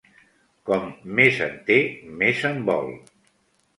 Com més en té més en vol.